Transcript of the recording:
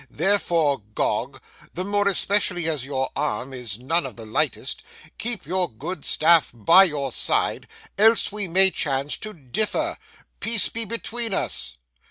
Therefore, Gog, the more especially as your arm is none of the lightest, keep your good staff by your side, else we may chance to differ. Peace be between us!